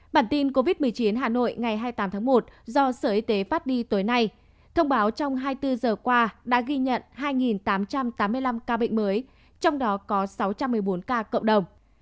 bản tin covid một mươi chín hà nội ngày hai mươi tám tháng một do sở y tế phát đi tối nay thông báo trong hai mươi bốn giờ qua đã ghi nhận hai tám trăm tám mươi năm ca bệnh mới trong đó có sáu trăm một mươi bốn ca cộng đồng